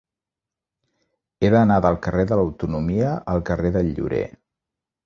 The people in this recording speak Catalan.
He d'anar del carrer de l'Autonomia al carrer del Llorer.